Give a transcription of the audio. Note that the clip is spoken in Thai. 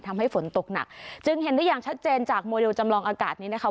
ทำให้ฝนตกหนักจึงเห็นได้อย่างชัดเจนจากโมเดลจำลองอากาศนี้นะคะ